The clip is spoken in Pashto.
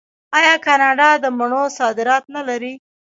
آیا کاناډا د مڼو صادرات نلري؟